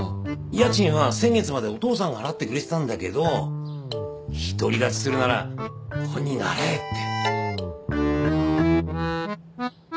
家賃は先月までお父さんが払ってくれてたんだけど独り立ちするなら本人が払えって。